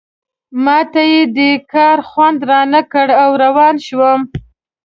ما ته یې دې کار خوند رانه کړ او روان شوم.